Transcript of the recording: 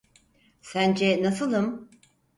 Sence nasılım?